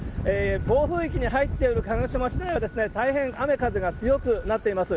暴風域に入っている鹿児島市内は、大変雨風が強くなっています。